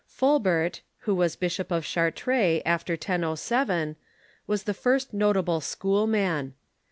Fulbert, who was Bishop of Chartres after 1007, was the first notable Schoolman.